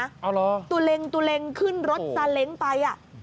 เอาเหรอตุเล็งขึ้นรถซาเล็งไป